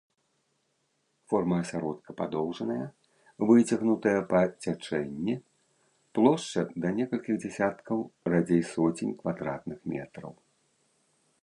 Форма асяродка падоўжаная, выцягнутая па цячэнні, плошча да некалькіх дзесяткаў, радзей соцень квадратных метраў.